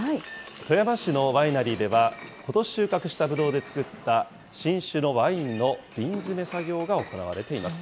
富山市のワイナリーでは、ことし収穫したぶどうで造った新酒のワインの瓶詰め作業が行われています。